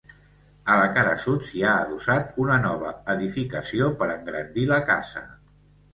A la cara sud, s'hi ha adossat una nova edificació per engrandir la casa.